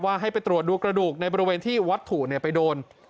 ให้ไปตรวจดูกระดูกในบริเวณที่วัตถุไปโดน